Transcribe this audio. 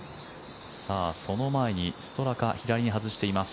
その前に、ストラカ左に外しています。